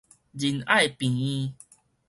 仁愛醫院